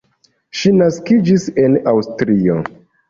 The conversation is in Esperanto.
Ŝi naskiĝis en Aŭstrio.